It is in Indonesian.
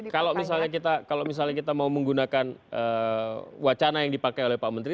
kalau misalnya kita mau menggunakan wacana yang dipakai oleh pak menteri